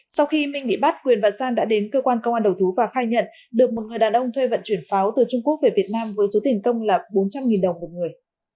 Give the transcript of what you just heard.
sau khi minh bị bắt quyền và san đã đến cơ quan công an đầu thú và khai nhận được một người đàn ông thuê vận chuyển pháo từ trung quốc về việt nam với số tiền công là bốn trăm linh đồng một người